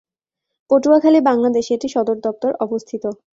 পটুয়াখালী, বাংলাদেশে এটির সদরদপ্তর অবস্থিত।